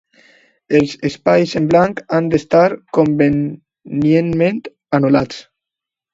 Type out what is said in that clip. Els espais en blanc han d'estar convenientment anul·lats.